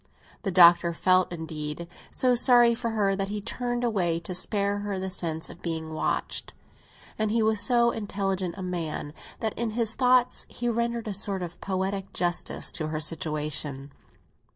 The Doctor felt, indeed, so sorry for her that he turned away, to spare her the sense of being watched; and he was so intelligent a man that, in his thoughts, he rendered a sort of poetic justice to her situation.